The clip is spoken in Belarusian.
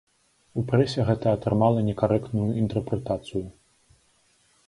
У прэсе гэта атрымала некарэктную інтэрпрэтацыю.